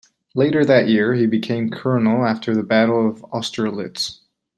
Later that year, he became colonel after the Battle of Austerlitz.